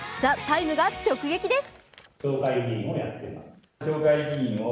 「ＴＨＥＴＩＭＥ，」が直撃です。